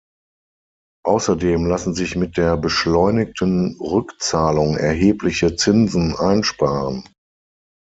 Außerdem lassen sich mit der beschleunigten Rückzahlung erhebliche Zinsen einsparen.